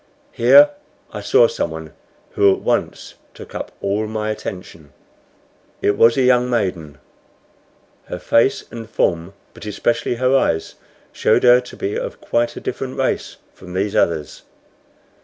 Here I saw someone who at once took up all my attention. It was a young maiden. Her face and form, but especially her eyes, showed her to be of quite a different race from these others.